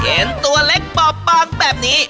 เห็นตัวเล็กปอบบางแบบนี้